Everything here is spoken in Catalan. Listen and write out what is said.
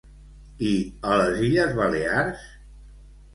I a les Illes Balears?